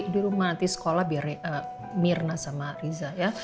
di rumah nanti sekolah biar mirna sama riza ya